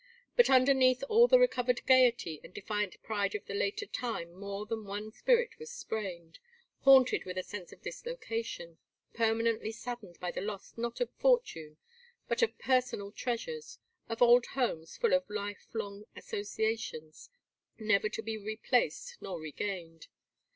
But underneath all the recovered gayety and defiant pride of the later time more than one spirit was sprained, haunted with a sense of dislocation, permanently saddened by the loss not of fortune but of personal treasures, of old homes full of life long associations, never to be replaced nor regained.